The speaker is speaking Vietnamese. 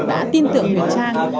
đã tin tưởng huyền trang